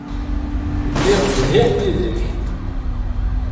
Lliɣ zhiɣ yid-k.